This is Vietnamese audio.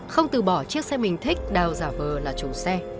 không từ bỏ chiếc xe mình thích đào giả vờ là chủ xe